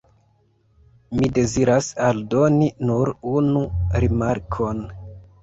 Mi deziras aldoni nur unu rimarkon.